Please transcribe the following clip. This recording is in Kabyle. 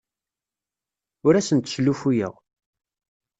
Ur asent-sslufuyeɣ.